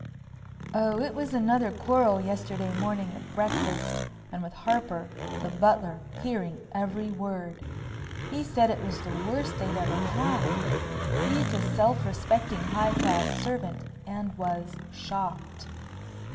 "Oh, it was another quarrel yesterday morning at breakfast and with Harper, the butler, hearing every word. He said it was the worst they'd ever had. He's a self respecting, high class servant and was shocked."